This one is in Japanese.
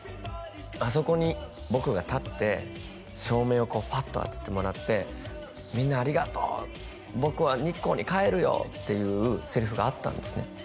あそこに僕が立って照明をこうファッとあててもらって「みんなありがとう僕は日光に帰るよ」っていうセリフがあったんですね